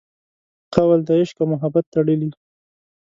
قول د عشق او محبت تړلي